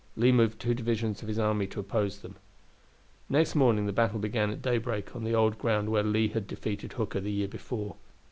Lee moved two divisions of his army to oppose them. Next morning the battle began at daybreak on the old ground where Lee had defeated Hooker the year before.